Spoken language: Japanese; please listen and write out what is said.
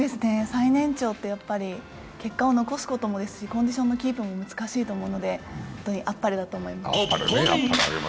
最年長って結果を残すこともですし、コンディションのキープも難しいと思うので、あっぱれです。